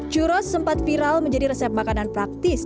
churos sempat viral menjadi resep makanan praktis